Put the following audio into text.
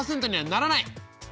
ならない。